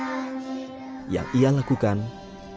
ketika berhalangan menggelak perpustakaan keliling